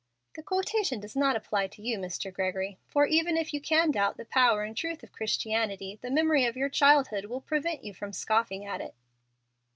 '" "The quotation does not apply to you, Mr. Gregory. For, even if you can doubt the power and truth of Christianity, the memory of your childhood will prevent you from scoffing at it."